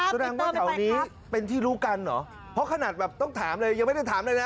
แสดงว่าแถวนี้เป็นที่รู้กันเหรอเพราะขนาดแบบต้องถามเลยยังไม่ได้ถามเลยนะ